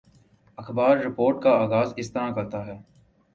اخبار رپورٹ کا آغاز اس طرح کرتا ہے